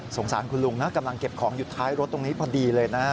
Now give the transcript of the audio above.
สารคุณลุงนะกำลังเก็บของอยู่ท้ายรถตรงนี้พอดีเลยนะ